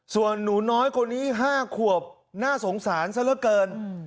ส่วนหนูน้อยคนนี้๕ขวบน่าสงสารซะเหลือเกิน